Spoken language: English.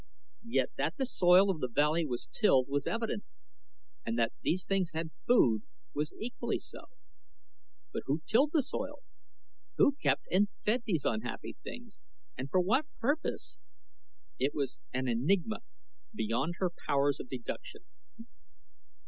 Yet that the soil of the valley was tilled was evident and that these things had food was equally so. But who tilled the soil? Who kept and fed these unhappy things, and for what purpose? It was an enigma beyond her powers of deduction.